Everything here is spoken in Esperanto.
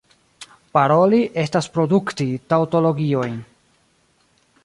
Paroli estas produkti taŭtologiojn.